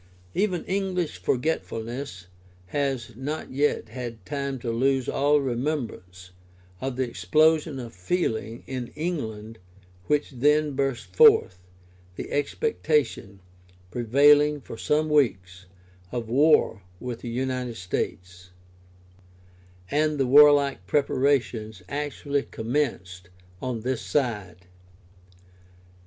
Even English forgetfulness has not yet had time to lose all remembrance of the explosion of feeling in England which then burst forth, the expectation, prevailing for some weeks, of war with the United States, and the warlike preparations actually commenced on this side.